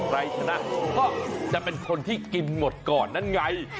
ใครชนะก็จะเป็นคนที่กินหมดก่อนนั่นไง